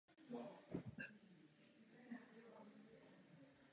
Poezii se začal věnovat už v útlém věku.